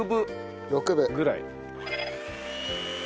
６分ぐらい。